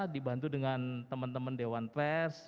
dibantu dengan teman teman dewan pers